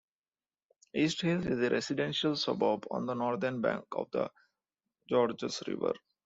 East Hills is a residential suburb on the northern bank of the Georges River.